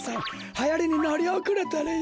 はやりにのりおくれとるよ